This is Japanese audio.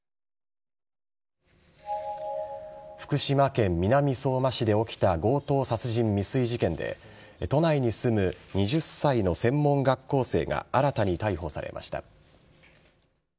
福島県南相馬市で起きた強盗殺人未遂事件で都内に住む２０歳の専門学校生が新たに逮捕されました。